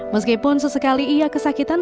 meskipun sesekali ia kesakitan